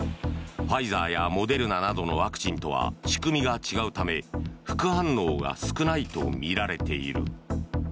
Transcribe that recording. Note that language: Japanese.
ファイザーやモデルナなどのワクチンとは仕組みが違うため副反応が少ないとみられている。